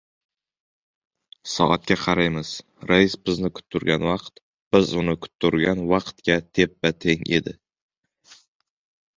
Soatga qaraymiz, rais bizni kuttirgan vaqt biz uni kuttirgan vaqtga teppa-teng edi.